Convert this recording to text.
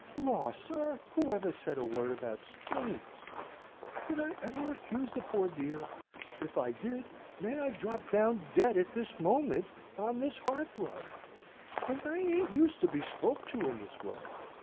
"Law, sir! who ever said a word about spoons? Did I ever accuse the poor dear? If I did, may I drop down dead at this moment on this hearth rug! And I ain't used to be spoke to in this way.